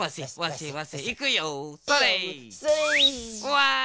わい！